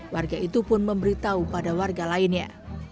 warga itu pun memberitahu pada warga lainnya